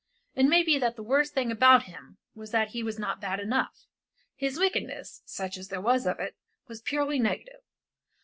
It may be that the worst thing about him was that he was not bad enough; his wickedness, such as there was of it, was purely negative.